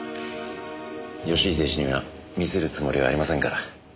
義英氏には見せるつもりはありませんから。